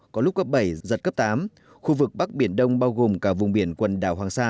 có lúc cấp bảy giật cấp tám khu vực bắc biển đông bao gồm cả vùng biển quần đảo hoàng sa